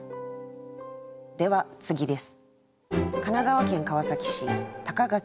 では次です。